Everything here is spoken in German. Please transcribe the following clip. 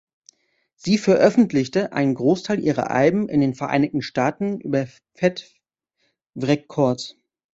Sie veröffentlichte einen Großteil ihrer Alben in den Vereinigten Staaten über Fat Wreck Chords.